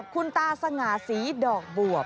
คุณตาสง่าศรีดอกบวบ